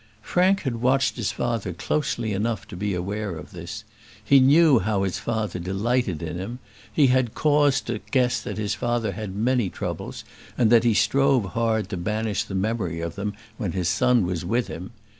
Frank had watched his father closely enough to be aware of this; he knew how his father delighted in him; he had had cause to guess that his father had many troubles, and that he strove hard to banish the memory of them when his son was with him.